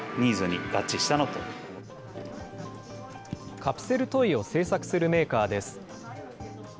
カプセルトイを制作するメーカーです。